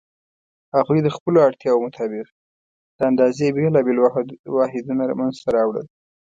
هغوی د خپلو اړتیاوو مطابق د اندازې بېلابېل واحدونه منځته راوړل.